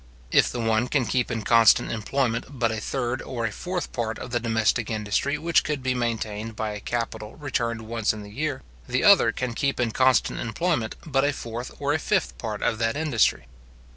If the one can keep in constant employment but a third or a fourth part of the domestic industry which could be maintained by a capital returned once in the year, the other can keep in constant employment but a fourth or a fifth part of that industry.